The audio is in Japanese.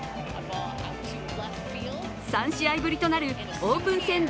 ３試合ぶりとなるオープン戦